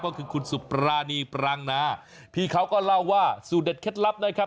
ก็คือคุณสุปรานีปรางนาพี่เขาก็เล่าว่าสูตรเด็ดเคล็ดลับนะครับ